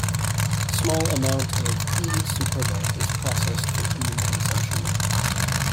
Small amount of "E. superba" is processed for human consumption.